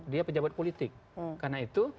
dia pejabat politik karena itu